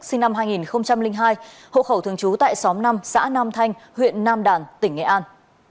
sinh năm hai nghìn hai hộ khẩu thường trú tại xóm năm xã nam thanh huyện nam đàn tỉnh nghệ an